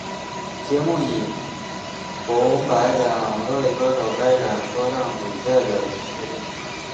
节目以红白两队歌手展开歌唱比赛的形式进行。